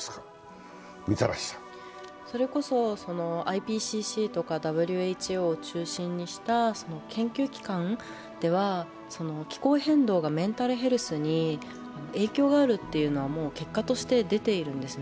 それこそＩＰＣＣやＷＨＯなどの研究機関では、気候変動がメンタルヘルスに影響があるというのはもう結果として出ているんですね。